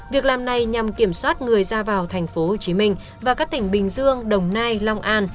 việc làm này nhằm kiểm soát người ra vào tp hcm và các tỉnh bình dương đồng nai long an